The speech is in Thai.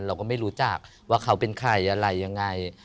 เราก็ไม่รู้จักว่าเขาเป็นใครอะไรยังไง